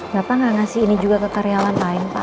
bapak nggak ngasih ini juga ke karyawan lain pak